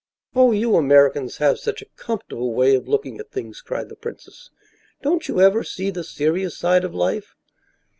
"Oh, you Americans have such a comfortable way of looking at things," cried the princess. "Don't you ever see the serious side of life?"